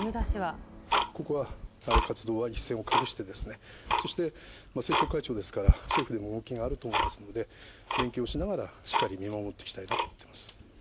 今後は活動は一線を画して、そして政調会長ですから、政府でも動きがあると思いますので、連携をしながらしっかり見守っていきたいなと思っています。